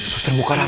susu serbuka rata